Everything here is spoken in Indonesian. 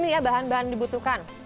ya bahan bahan dibutuhkan